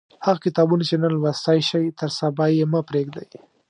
هغه کتابونه چې نن لوستلای شئ تر سبا یې مه پریږدئ.